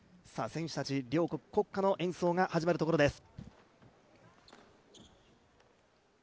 選手たち、両国国歌の演奏が始まるところです。